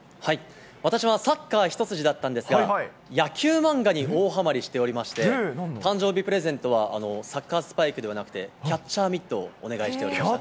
私はサッカー一筋だったんですが、野球漫画に大はまりしておりまして、誕生日プレゼントはサッカースパイクではなくて、キャッチャーミットをお願いしておりました。